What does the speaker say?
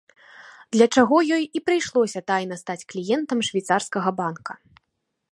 Для чаго ёй і прыйшлося тайна стаць кліентам швейцарскага банка.